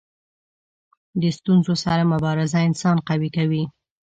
د ستونزو سره مبارزه انسان قوي کوي.